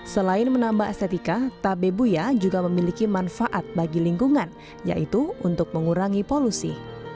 selain menambah estetika tabebuya juga memiliki manfaat bagi lingkungan yaitu untuk mengurangi polusi